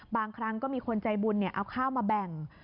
บางครั้งก็มีคนใจบุญเอาข้าวมาแบ่ง